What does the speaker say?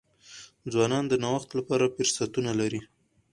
ځوانان د نوښت لپاره فرصتونه لري.